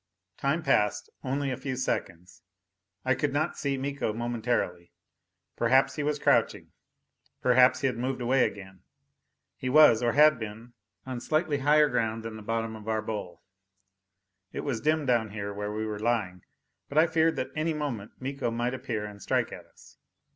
Time passed only a few seconds. I could not see Miko momentarily. Perhaps he was crouching; perhaps he had moved away again. He was, or had been, on slightly higher ground than the bottom of our bowl. It was dim down here where we were lying, but I feared that any moment Miko might appear and strike at us.